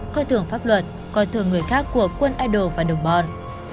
coi thường pháp luật coi thường người khác của quân idol và đồng bọn